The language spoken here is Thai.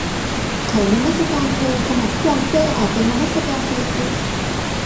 เขานมัสการเธอขณะที่ดันเต้อาจจะนมัสการเบียทริซ